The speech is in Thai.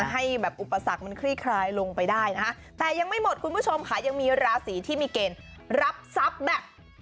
ให้แบบอุปสรรคมันคลี่คลายลงไปได้นะคะแต่ยังไม่หมดคุณผู้ชมค่ะยังมีราศีที่มีเกณฑ์รับทรัพย์แบบ